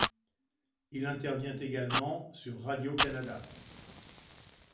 Il intervient également sur Radio-Canada.